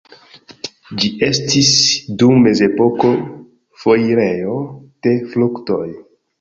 Ĝi estis, dum mezepoko, foirejo de fruktoj.